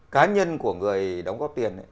cá nhân của người đóng góp tiền